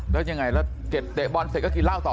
แล้วยังไงแล้วเตะบอลเสร็จก็กินเหล้าต่อ